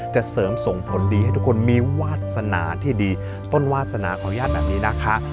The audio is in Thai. เสริมส่งผลดีให้ทุกคนมีวาสนาที่ดีต้นวาสนาขออนุญาตแบบนี้นะคะ